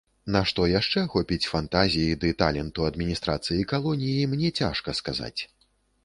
На што яшчэ хопіць фантазіі ды таленту адміністрацыі калоніі, мне цяжка сказаць.